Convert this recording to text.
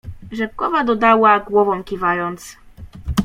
"Rzepkowa dodała, głową kiwając."